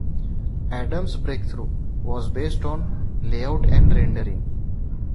Adams' breakthrough was based on layout and rendering.